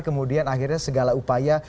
kemudian akhirnya segala upaya